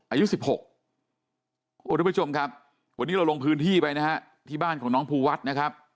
อายุ๑๖ทุกผู้ชมครับวันนี้เราลงพื้นที่ไปนะฮะที่บ้านของน้องภูวัฒน์นะครับ